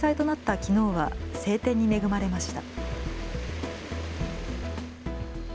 きのうは晴天に恵まれました。